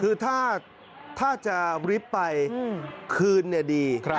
คือถ้าจะลิฟต์ไปคืนเนี่ยดี